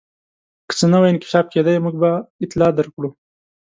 که څه نوی انکشاف کېدی موږ به اطلاع درکړو.